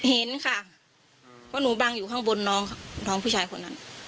เห็นค่ะเพราะหนูบังอยู่ข้างบนน้องผู้ชายคนนั้น